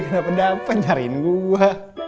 kenapa dapet nyariin gue